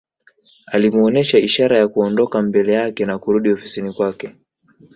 Alimuonesha ishara ya Kuondoka mbele yake na kurudi ofisini kwake